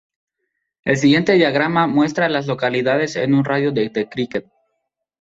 El siguiente diagrama muestra a las localidades en un radio de de Cricket.